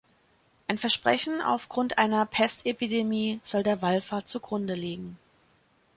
Ein Versprechen aufgrund einer Pestepidemie soll der Wallfahrt zugrunde liegen.